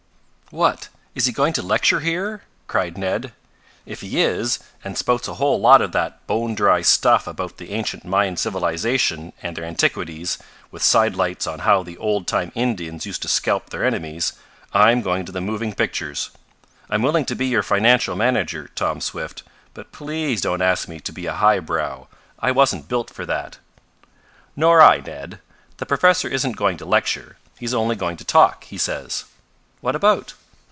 "What! Is he going to lecture here?" cried Ned. "If he is, and spouts a whole lot of that bone dry stuff about the ancient Mayan civilization and their antiquities, with side lights on how the old time Indians used to scalp their enemies, I'm going to the moving pictures! I'm willing to be your financial manager, Tom Swift, but please don't ask me to be a high brow. I wasn't built for that." "Nor I, Ned. The professor isn't going to lecture. He's only going to talk, he says." "What about?"